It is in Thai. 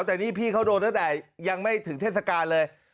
แต่นี่พี่เขาโดนตั้งแต่ยังไม่ถึงเทศกาลเลย